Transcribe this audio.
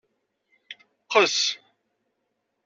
Qqes.